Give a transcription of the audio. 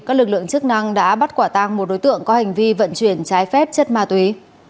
các lực lượng chức năng đã bắt quả tang một đối tượng có hành vi vận chuyển trái phép chất ma túy